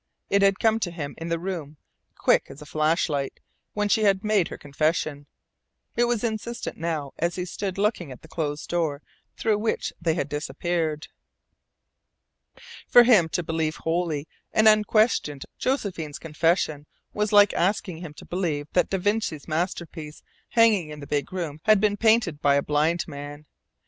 It had come to him in the room, quick as a flashlight, when she had made her confession; it was insistent now as he stood looking at the closed door through which they had disappeared. For him to believe wholly and unquestioned Josephine's confession was like asking him to believe that da Vinci's masterpiece hanging in the big room had been painted by a blind man.